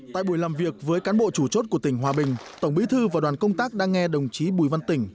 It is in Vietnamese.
tại buổi làm việc với cán bộ chủ chốt của tỉnh hòa bình tổng bí thư và đoàn công tác đã nghe đồng chí bùi văn tỉnh